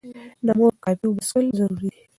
د مور کافي اوبه څښل ضروري دي.